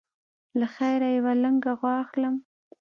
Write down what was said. له خیره یوه لنګه غوا اخلم.